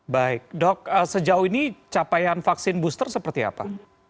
baik dok sejauh ini capaian vaksin booster seperti apa